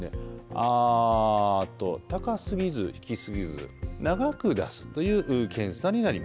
「あー」と、高すぎず、低すぎず長く出すという検査になります。